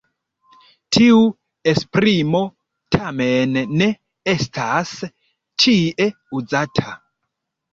Tiu esprimo tamen ne estas ĉie uzata.